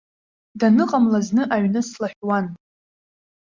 Даныҟамла зны аҩны слаҳәуан.